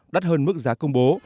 đắt hơn mức giá công bố